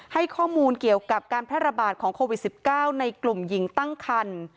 ให้ข้อมูลเกี่ยวกับการแพร่ระบาดของโควิด๑๙ในกลุ่มหญิงตั้งคัน